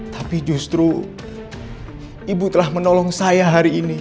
tapi justru ibu telah menolong saya hari ini